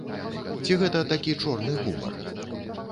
Ці гэта такі чорны гумар?